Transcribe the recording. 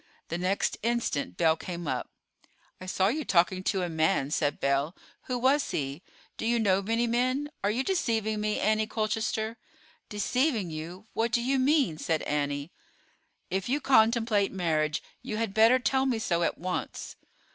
The next instant Belle came up. "I saw you talking to a man," said Belle. "Who was he? Do you know many men? Are you deceiving me, Annie Colchester?" "Deceiving you? What do you mean?" said Annie. "If you contemplate marriage you had better tell me so at once."